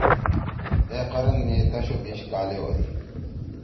اے قرن می دش او بیِش کالے ہودی۔